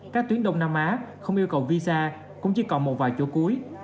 các tuyến đông nam á không yêu cầu visa cũng chỉ còn một vài chỗ cuối